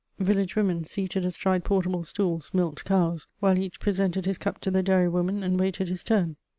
Village women, seated astride portable stools, milked cows, while each presented his cup to the dairy woman and waited his turn.